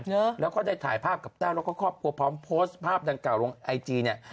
เยอะแล้วก็ได้ถ่ายภาพกับแต้วแล้วก็ครอบครัวพร้อมโพสต์ภาพดังกล่าวลงไอจีเนี่ย